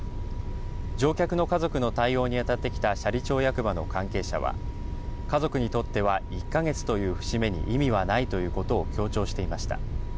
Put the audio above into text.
乗客の家族の対応にあたってきた斜里町役場の関係者は家族にとっては１か月という節目に意味はないということを強調していました。